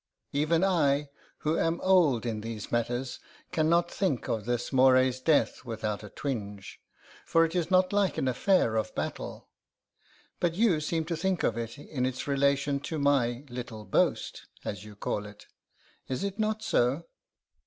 'Even I, who am old in these matters, can not think of this Moray's death without a twinge, for it is not like an affair of battle; but you seem to think of it in its relation to my "little boast," as you call it. Is it not so?